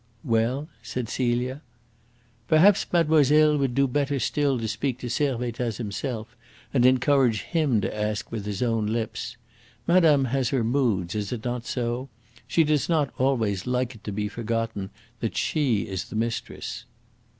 "Well," said Celia. "Perhaps mademoiselle would do better still to speak to Servattaz himself and encourage him to ask with his own lips. Madame has her moods, is it not so? She does not always like it to be forgotten that she is the mistress."